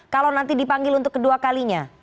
kalau nanti dipanggil untuk kedua kalinya